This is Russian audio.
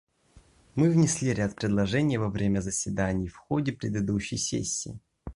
Мы внесли ряд предложений во время заседаний в ходе предыдущей сессии.